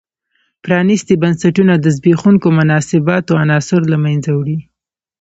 پرانیستي بنسټونه د زبېښونکو مناسباتو عناصر له منځه وړي.